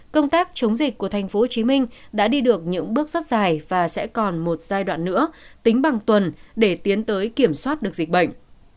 công tác chống dịch của tp hcm đã đi được những bước rất dài và sẽ còn một giai đoạn nữa tính bằng tuần để tiến tới kiểm soát được dịch bệnh